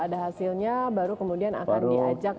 ada hasilnya baru kemudian akan diajak